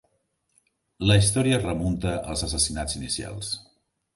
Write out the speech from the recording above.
La història es remunta als assassinats inicials.